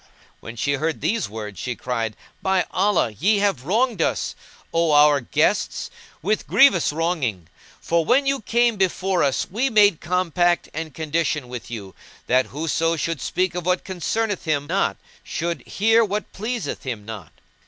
When she heard these words she cried, "By Allah, ye have wronged us, O our guests. with grievous wronging; for when you came before us we made compact and condition with you, that whoso should speak of what concerneth him not should hear what pleaseth him not.